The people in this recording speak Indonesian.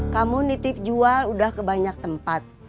kamu nitip jual udah ke banyak tempat